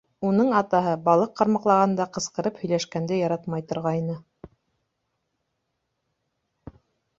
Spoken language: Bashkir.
Уның атаһы, балыҡ ҡармаҡлағанда, ҡысҡырып һөйләшкәнде яратмай торғайны.